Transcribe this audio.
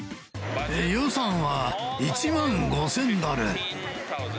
予算は１万５０００ドル。